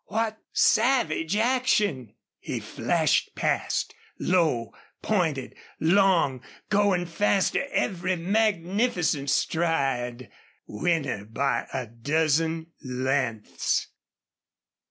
What savage action! He flashed past, low, pointed, long, going faster every magnificent stride winner by a dozen lengths.